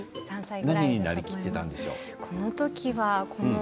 何になりきっていたんですか？